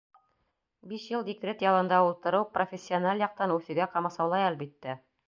Биш йыл декрет ялында ултырыу профессиональ яҡтан үҫеүгә ҡамасаулай, әлбиттә.